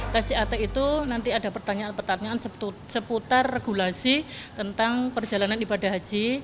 tes jat itu nanti ada pertanyaan pertanyaan seputar regulasi tentang perjalanan ibadah haji